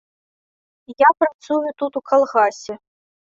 Я працую тут у калгасе.